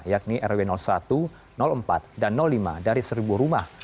yakni rw satu empat dan lima dari seribu rumah